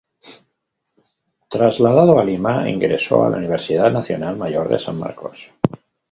Trasladado a Lima, ingresó a la Universidad Nacional Mayor de San Marcos.